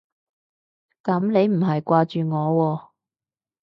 噉你唔係掛住我喎